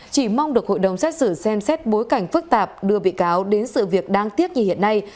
chỉ mong được hội đồng xét xử xem xét bối cảnh phức tạp đưa bị cáo đến sự việc đáng tiếc như hiện nay